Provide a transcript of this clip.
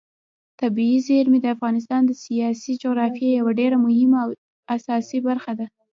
طبیعي زیرمې د افغانستان د سیاسي جغرافیې یوه ډېره مهمه او اساسي برخه ده.